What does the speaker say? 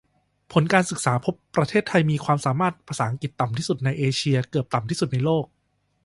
ผลการศึกษาพบ ประเทศไทยมีความสามารถภาษาอังกฤษต่ำที่สุดในเอเชีย เกือบต่ำสุดในโลก